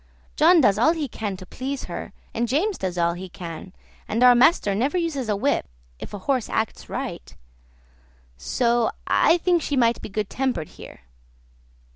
John does all he can to please her, and James does all he can, and our master never uses a whip if a horse acts right; so I think she might be good tempered here.